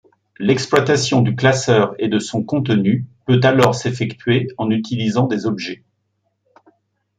L'exploitation du classeur et de son contenu peut alors s'effectuer en utilisant des objets.